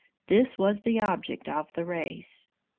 This was the object of the race.